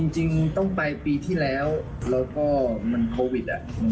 จริงต้องไปปีที่แล้วแล้วก็มันโควิด